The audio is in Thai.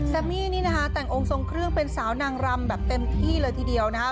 มี่นี่นะคะแต่งองค์ทรงเครื่องเป็นสาวนางรำแบบเต็มที่เลยทีเดียวนะคะ